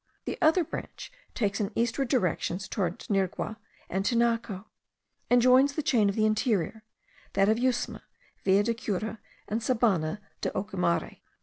The other branch takes an eastward direction towards Nirgua and Tinaco, and joins the chain of the interior, that of Yusma, Villa de Cura, and Sabana de Ocumare.